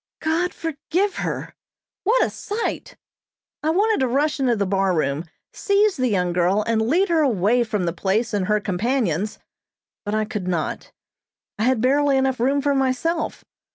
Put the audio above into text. God forgive her! What a sight! I wanted to rush into the bar room, seize the young girl, and lead her away from the place and her companions, but I could not. I had barely enough room for myself.